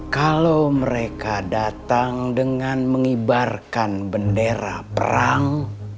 kalau mereka datang dengan mengibarkan bendera perang